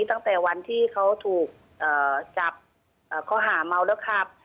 ตั้งแต่วันที่เขาถูกจับข้อหาเมาแล้วขับ